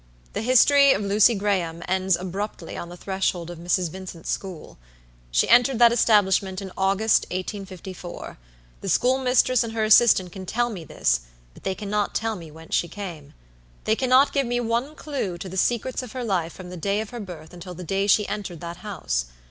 The history of Lucy Graham ends abruptly on the threshold of Mrs. Vincent's school. She entered that establishment in August, 1854. The schoolmistress and her assistant can tell me this but they cannot tell me whence she came. They cannot give me one clew to the secrets of her life from the day of her birth until the day she entered that house.